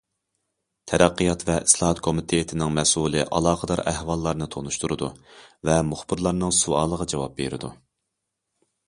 تەرەققىيات ۋە ئىسلاھات كومىتېتىنىڭ مەسئۇلى ئالاقىدار ئەھۋاللارنى تونۇشتۇرىدۇ ۋە مۇخبىرلارنىڭ سوئالىغا جاۋاب بېرىدۇ.